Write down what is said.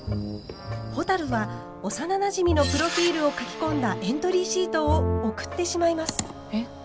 ほたるは幼なじみのプロフィールを書き込んだエントリーシートを送ってしまいます。